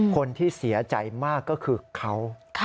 คนที่เสียใจมากก็คือเขา